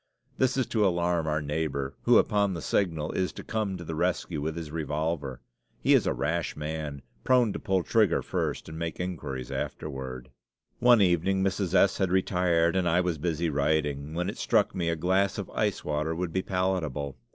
This is to alarm our neighbor, who, upon the signal, is to come to the rescue with his revolver. He is a rash man, prone to pull trigger first and make inquiries afterward. One evening Mrs. S. had retired and I was busy writing, when it struck me a glass of ice water would be palatable.